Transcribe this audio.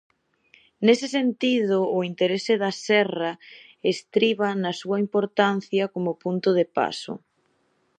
Nese sentido, o interese da serra estriba na súa importancia como punto de paso.